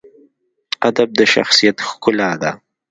ادب د شخصیت ښکلا ده.